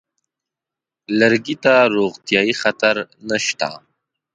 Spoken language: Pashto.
لرګي ته روغتیايي خطر نشته.